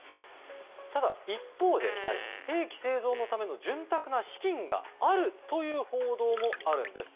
ただ一方兵器製造のための潤沢な資金があるという報道もあるんです。